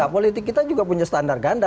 politik kita juga punya standar ganda